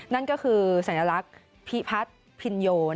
นั่นก็คือสัญลักษณ์ชาห์พี่เพชรพินโย